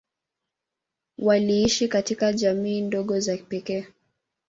Waliishi katika jamii ndogo za pekee.